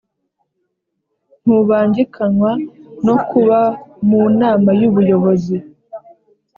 ntubangikanywa no kuba mu Nama y Ubuyobozi